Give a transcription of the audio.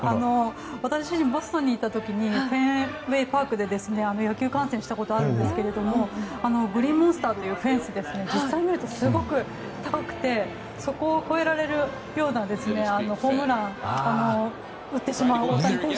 私、ボストンにいたときにフェンウェイ・パークで野球観戦したことあるんですがグリーンモンスターというフェンスは実際に見るとすごく高くてそこを越えられるようなホームランを打ってしまう大谷選手